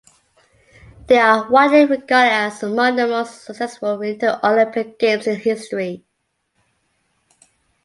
They are widely regarded as among the most successful winter Olympic Games in history.